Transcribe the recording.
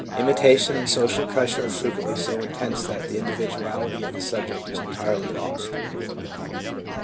Imitation, and social pressure are frequently so intense that the individuality of the subject is entirely lost.